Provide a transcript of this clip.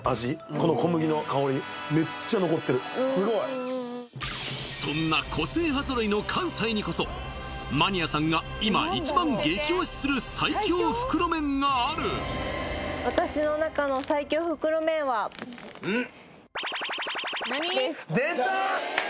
この小麦の香りめっちゃ残ってるすごいそんな個性派揃いの関西にこそマニアさんが今一番激推しする最強袋麺がある出た！